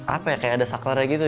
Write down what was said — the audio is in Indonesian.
apa ya kayak ada saklarnya gitu